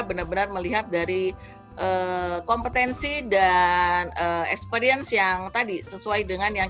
benar benar melihat dari kompetensi dan experience yang tadi sesuai dengan yang